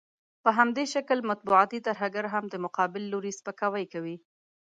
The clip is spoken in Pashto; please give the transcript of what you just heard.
په همدې شکل مطبوعاتي ترهګر هم د مقابل لوري سپکاوی کوي.